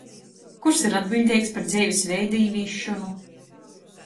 Kurs ir atbiļdeigs par dzeivis veida īvīsšonu?